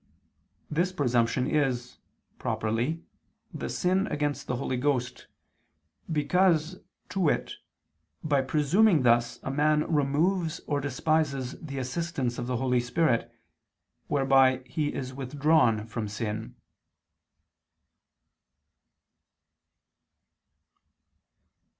This presumption is, properly, the sin against the Holy Ghost, because, to wit, by presuming thus a man removes or despises the assistance of the Holy Spirit, whereby he is withdrawn from sin.